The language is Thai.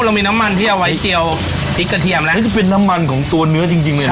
เรามีน้ำมันที่เอาไว้เจียวพริกกระเทียมแล้วนี่จะเป็นน้ำมันของตัวเนื้อจริงเลยนะ